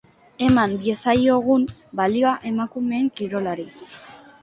Eman diezaiogun balioa emakumeen kirolari.